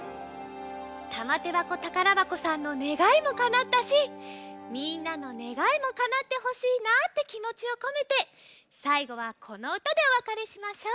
たまてばこたからばこさんのねがいもかなったしみんなのねがいもかなってほしいなってきもちをこめてさいごはこのうたでおわかれしましょう！